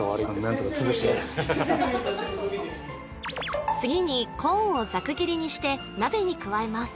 ハハハッ次にコーンをざく切りにして鍋に加えます